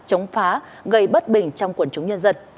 chống phá gây bất bình trong quần chúng nhân dân